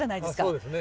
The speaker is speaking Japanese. そうですね。